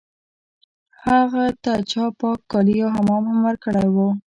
هغه ته چا پاک کالي او حمام هم ورکړی و